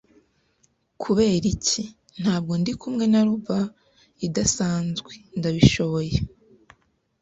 “Kuberiki, ntabwo ndikumwe na lubber idasanzwe. Ndabishoboye